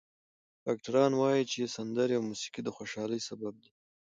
ډاکټران وايي چې سندرې او موسیقي د خوشحالۍ سبب دي.